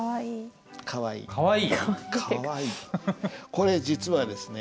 これ実はですね